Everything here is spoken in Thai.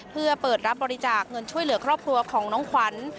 เพื่อเปิดรับบริจาคเงินช่วยเหลือครอบครัวของน้องขวัญ